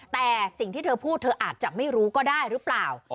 แต่สิ่งที่เธอพูดเธออาจจะไม่รู้ก็ได้หรือเปล่า